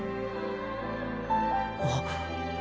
あっ